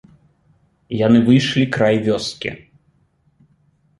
Яны выйшлі край вёскі.